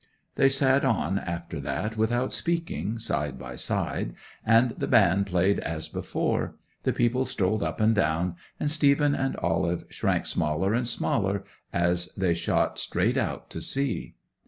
'They sat on after that without speaking, side by side, and the band played as before; the people strolled up and down; and Stephen and Olive shrank smaller and smaller as they shot straight out to sea.